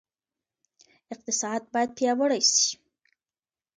اقتصاد باید پیاوړی سي.